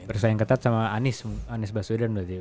bersaing ketat sama anies basudan